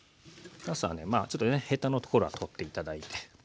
なすはねちょっとねヘタのところは取って頂いて。